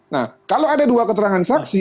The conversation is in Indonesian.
nah kalau ada dua keterangan saksi